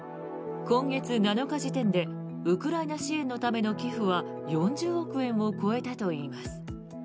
今月７日時点でウクライナ支援のための寄付は４０億円を超えたといいます。